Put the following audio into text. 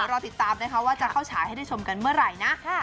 รอติดตามนะคะว่าจะเข้าฉายให้ได้ชมกันเมื่อไหร่นะ